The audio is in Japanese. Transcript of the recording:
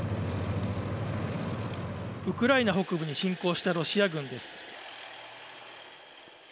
ウクライナ北部に侵攻したロシア軍です。